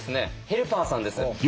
ヘルパーさんです。